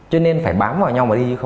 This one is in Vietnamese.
cho nên phải bám vào nhau mà đi